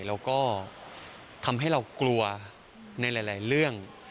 แล้วก็ทำให้เรากลัวในหลายเรื่อง